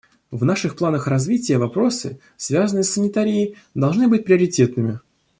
В наших планах развития вопросы, связанные с санитарией, должны быть приоритетными.